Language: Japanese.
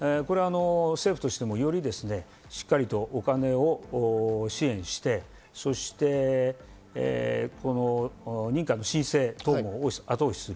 政府としても、よりしっかりとお金を支援して、認可の申請なども後押しする。